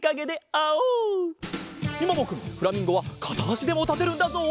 みももくんフラミンゴはかたあしでもたてるんだぞ！